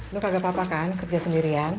lu enggak apa apa kan kerja sendirian